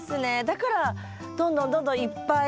だからどんどんどんどんいっぱい。